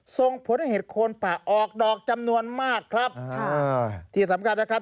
ส่งผลให้เห็ดโคนป่าออกดอกจำนวนมากครับค่ะที่สำคัญนะครับ